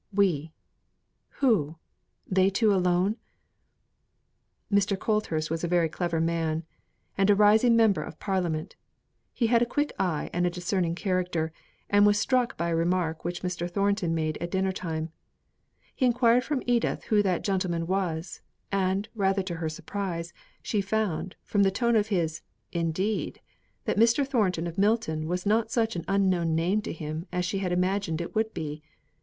"We!" Who? They two alone? Mr. Colthurst was a very clever man, and a rising member of Parliament. He had a quick eye at discerning character, and was struck by a remark which Mr. Thornton made at dinner time. He enquired from Edith who that gentleman was; and, rather to her surprise, she found, from the tone of his "Indeed!" that Mr. Thornton of Milton was not such an unknown name to him as she had imagined it would be.